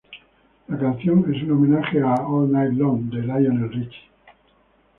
La canción es un homenaje a "All Night Long," de Lionel Richie.